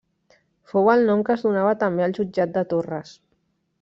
Fou el nom que es donava també al Jutjat de Torres.